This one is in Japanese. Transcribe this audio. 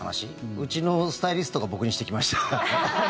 うちのスタイリストが僕にしてきました。